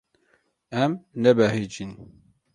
Em nebehecîn.